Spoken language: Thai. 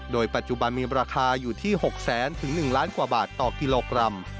โดยปัจจุบันมีราคาอยู่ที่๖๐๐๐๑ล้านกว่าบาทต่อกิโลกรัม